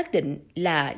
và xác định là do thiếu nước